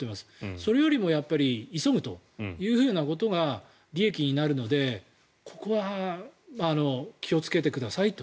それよりもやっぱり急ぐということが利益になるのでここは、気をつけてくださいと。